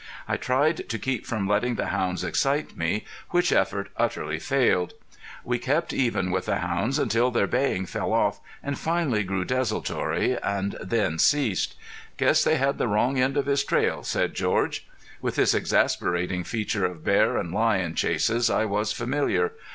I tried to keep from letting the hounds excite me, which effort utterly failed. We kept even with the hounds until their baying fell off, and finally grew desultory, and then ceased. "Guess they had the wrong end of his trail," said George. With this exasperating feature of bear and lion chases I was familiar.